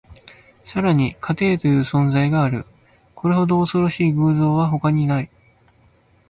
さらに、家庭という存在がある。これほど恐ろしい偶像は他にない。